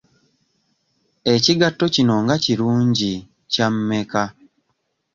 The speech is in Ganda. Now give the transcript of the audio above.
Ekigatto kino nga kirungi kya mmeka?